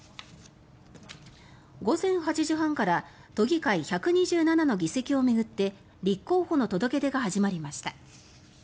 午前８時半から都議会１２７の議席を巡って立候補の届け出が始まりました。